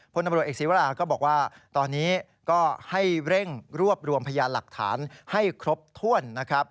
พนับรวจเอกสิทธิ์เวลาก็บอกว่าตอนนี้ก็ให้เร่งรวบรวมพยานหลักฐานให้ครบถ้วน